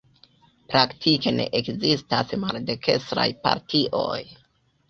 Praktike ne ekzistas maldekstraj partioj.